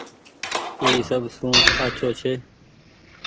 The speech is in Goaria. اي سب سون آڇو ڇي۔